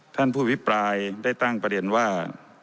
ท่านผู้วิปรายได้ตั้งประเด็นว่า